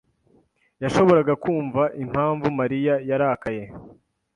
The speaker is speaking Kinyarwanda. yashoboraga kumva impamvu Mariya yarakaye.